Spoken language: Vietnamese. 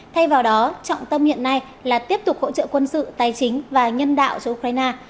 thay vào đó trọng tâm hiện nay là tiếp tục hỗ trợ quân sự tài chính và nhân đạo cho ukraine